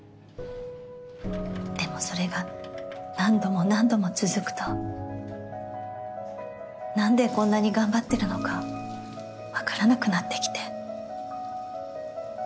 でもそれが何度も何度も続くと何でこんなに頑張ってるのかわからなくなってきて。